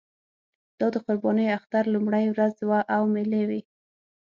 دا د قربانۍ اختر لومړۍ ورځ وه او مېلې وې.